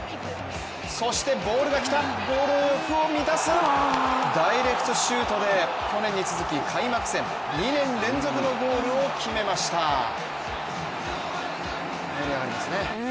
そしてボールが来たゴール欲を満たすダイレクトシュートで去年に続き、開幕戦２年連続のゴールを決めました、盛り上がりますね。